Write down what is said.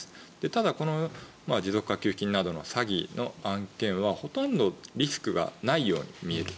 ただ持続化給付金などの詐欺の案件はほとんどリスクがないように見える。